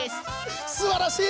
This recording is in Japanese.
すばらしい！